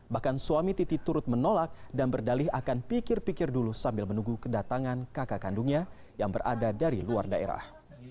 bahkan suami titi turut menolak dan berdalih akan pikir pikir dulu sambil menunggu kedatangan kakak kandungnya yang berada dari luar daerah